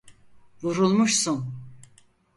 Vurulmuşsun.